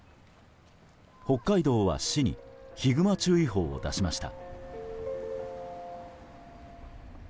北海道は市にヒグマ注意報を出しました。